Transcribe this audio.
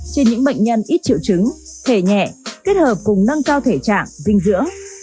trên những bệnh nhân ít triệu chứng thể nhẹ kết hợp cùng nâng cao thể trạng dinh dưỡng